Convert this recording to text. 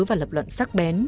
và lập luận sắc bén